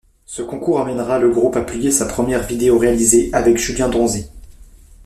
Ce concours amènera le groupe a publier sa première vidéo réalisée avec Julien Donzé.